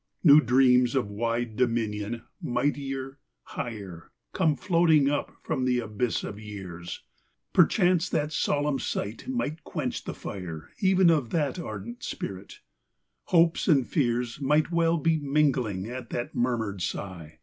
New dreams of wide dominion, mightier, higher, Come floating up from the abyss of years ; Perchance that solemn sight might quench the fire Even of that ardent spirit ; hopes and fears Might well be mingling at that murmured sigh.